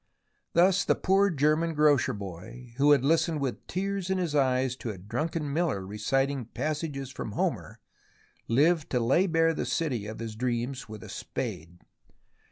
Thus the poor German grocer boy, who had listened with tears in his eyes to a drunken miller reciting passages from Homer, lived to lay bare the city of his dreams with a spade.